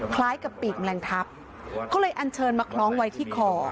คล้ายกับปีกแมลงทับเขาเลยอันเชิญมาคล้องไว้ที่คอ